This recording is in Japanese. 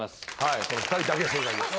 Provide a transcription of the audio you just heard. この２人だけ正解です。